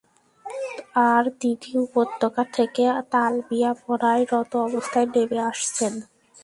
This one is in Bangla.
আর তিনি উপত্যকা থেকে তালবীয়া পড়ায় রত অবস্থায় নেমে আসছেন।